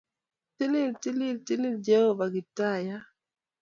Tilil! TiliI! Tilil! Jehovah Kiptaiyat!